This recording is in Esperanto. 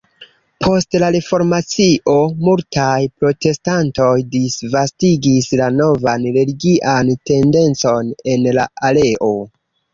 Post la Reformacio, multaj protestantoj disvastigis la novan religian tendencon en la areo.